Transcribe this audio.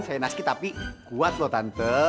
shainazki tapi kuat loh tante